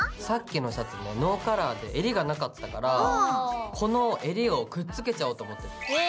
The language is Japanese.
さっきのシャツねノーカラーでえりがなかったからこのえりをくっつけちゃおうと思ってて。